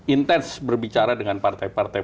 intens berbicara dengan partai partai